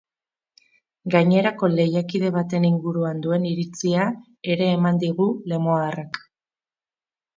Gainerako lehiakide baten inguruan duen iritzia ere eman digu lemoarrak.